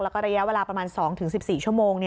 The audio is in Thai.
แล้วก็ระยะเวลาประมาณ๒๑๔ชั่วโมง